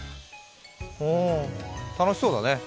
楽しそうだね。